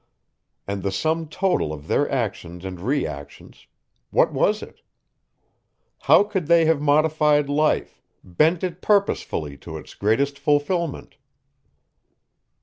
And the sum total of their actions and reactions what was it? How could they have modified life, bent it purposefully to its greatest fulfilment?